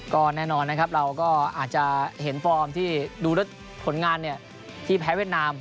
ก็แน่นอนนะครับเราก็อาจจะเห็นฟอร์มที่ดูด้วยผลงานที่แพ้เวียดนาม